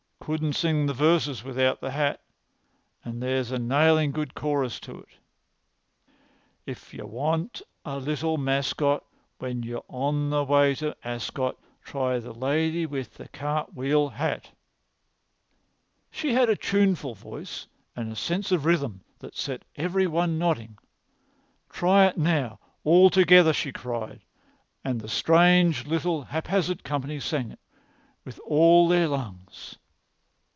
I couldn't sing the verses without the hat. But there's a nailin' good chorus to it: "'If you want a little mascot When you're on the way to Ascot, Try the lady with the cartwheel hat.'" She had a tuneful voice and a sense of rhythm which set every one nodding. "Try it now all together," she cried; and the strange little haphazard company sang it with all their lungs.